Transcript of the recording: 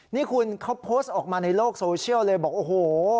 นี่คุณเขาโพสต์ออกมาในโลกโซเชียลเลยบอกโอ้โห